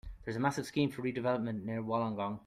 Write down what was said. There is a massive scheme for redevelopment near Wollongong.